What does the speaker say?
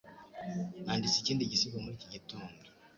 Nanditse ikindi gisigo muri iki gitondo.